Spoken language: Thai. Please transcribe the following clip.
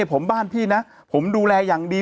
ผมบ้านพี่นะผมดูแลอย่างดี